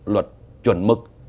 luật chuẩn mực